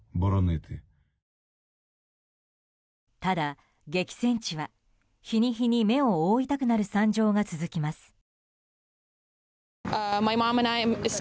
ただ、激戦地は日に日に目を覆いたくなる惨状が続きます。